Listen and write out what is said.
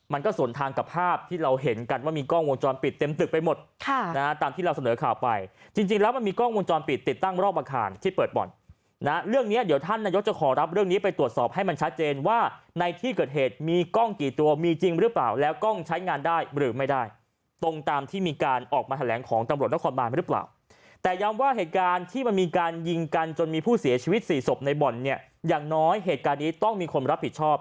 มันก็ส่วนทางกับภาพที่เราเห็นกันว่ามีกล้องวงจรปิดเต็มตึกไปหมดนะตามที่เราเสนอข่าวไปจริงแล้วมันมีกล้องวงจรปิดติดตั้งรอบอาคารที่เปิดบ่อนนะเรื่องนี้เดี๋ยวท่านนายก็จะขอรับเรื่องนี้ไปตรวจสอบให้มันชัดเจนว่าในที่เกิดเหตุมีกล้องกี่ตัวมีจริงหรือเปล่าแล้วกล้องใช้งานได้หรือไม่ได้ตร